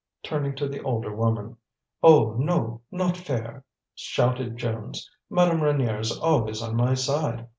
turning to the older woman. "Oh, no, not fair," shouted Jones. "Madame Reynier's always on my side.